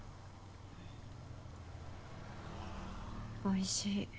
おいしい。